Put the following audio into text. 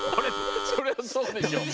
そりゃそうでしょ。